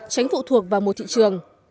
tránh phụ thuộc vào một thị trường